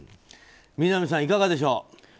南さん、いかがでしょう？